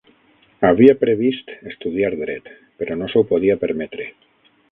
Havia previst estudiar dret, però no s'ho podia permetre.